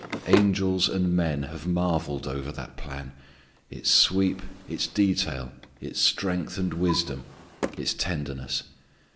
Angels and men have marvelled over that plan, its sweep, its detail, its strength and wisdom, its tenderness.